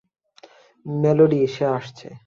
Melody, সে আসছে।